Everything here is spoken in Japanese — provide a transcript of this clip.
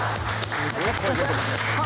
すごい声出てた。